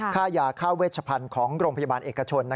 ค่ายาค่าเวชพันธุ์ของโรงพยาบาลเอกชน